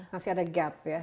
masih ada gap ya